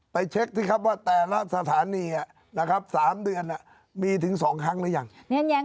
ไปเช็คที่ครับว่าแต่ละสถานีอ่ะนะครับสามเดือนอ่ะมีถึงสองครั้งหรือยัง